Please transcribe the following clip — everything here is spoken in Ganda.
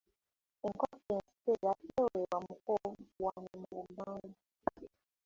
Enkoko enseera teweebwa muko wano mu Buganda.